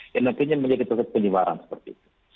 yang nantinya menjadi kekeliwaran seperti itu